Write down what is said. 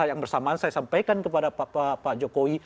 yang bersamaan saya sampaikan kepada pak jokowi